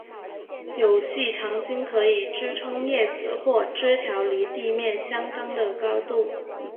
有细长茎可以支持叶子或枝条离地面相当的高度。